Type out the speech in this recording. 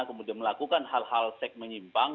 kemudian melakukan hal hal seks menyimpang